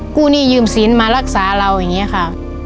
กู้หนี้ยืมศีลมารักษาเราอย่างเงี้ยค่ะ